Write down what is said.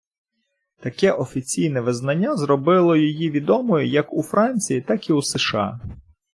Таке офіційне визнання зробило її відомою як у Франції, так і у США.